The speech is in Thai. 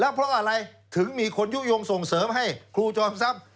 เพราะอะไรถึงมีคนยุโยงส่งเสริมให้ครูจอมทรัพย์